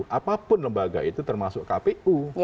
jadi kemudian publik ini terbelah menjadi dua perspektifnya mbak eva